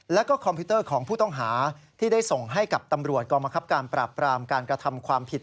แล้วก็คอมพิวเตอร์ของผู้ต้องหาที่ได้ส่งให้กับตำรวจกองบังคับการปราบปรามการกระทำความผิด